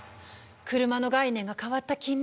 車の概念が変わった近未来。